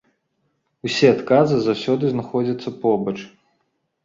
Усе адказы заўсёды знаходзяцца побач.